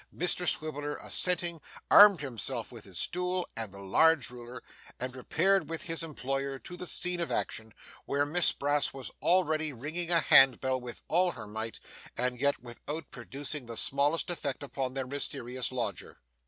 Mr Swiveller, assenting, armed himself with his stool and the large ruler, and repaired with his employer to the scene of action, where Miss Brass was already ringing a hand bell with all her might, and yet without producing the smallest effect upon their mysterious lodger.